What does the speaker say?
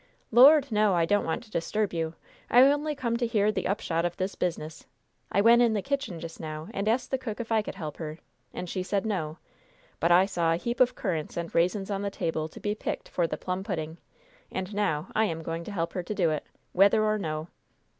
"Lord, no! I don't want to disturb you! I only come to hear the upshot of this business! I went in the kitchen just now, and asked the cook if I could help her, and she said no; but I saw a heap of currants and raisins on the table to be picked for the plum pudding, and now I am going to help her to do it, whether or no!